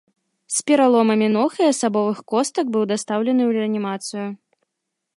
З пераломамі ног і асабовых костак быў дастаўлены ў рэанімацыю.